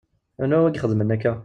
Anwa wa i ixedmen akka?